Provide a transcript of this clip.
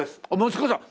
息子さん？